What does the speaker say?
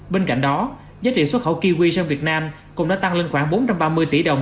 bên cạnh đó giá trị xuất khẩu kiwi sang việt nam cũng đã tăng lên khoảng bốn trăm ba mươi tỷ đồng